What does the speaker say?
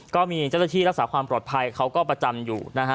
ก็มีเจ้าหน้าที่รักษาความปลอดภัยเขาก็ประจำอยู่นะฮะ